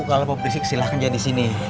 kalau mau berisik silahkan jangan disini